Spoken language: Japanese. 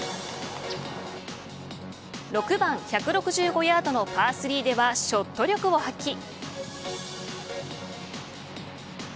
６番１６５ヤードのパー３ではショット力を発揮。